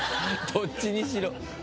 どっちにしろ。